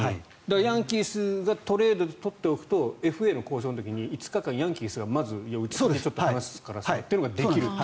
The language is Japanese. ヤンキースがトレードで取っておくとＦＡの交渉の時に５日間ヤンキースがうちがまず話すからというのができる。